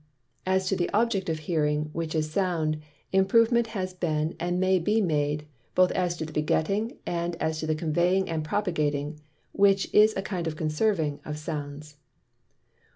As to the Object of Hearing, which is Sound, improvement has been and may be made, both as to the Begetting, and as to the Conveying and Propagating (which is a kind of Conserving) of Sounds.